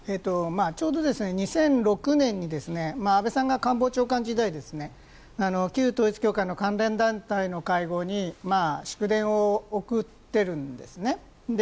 ちょうど２００６年に安倍さんが官房長官時代旧統一教会の関連団体の会合に祝電を送ってるんですね。